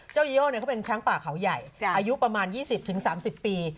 โย่เขาเป็นช้างป่าเขาใหญ่อายุประมาณ๒๐๓๐ปี